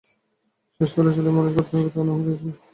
শেষকালে ছেলে মানুষ করতে হবে, তা হলে নিজের ছেলে কী অপরাধ করেছে!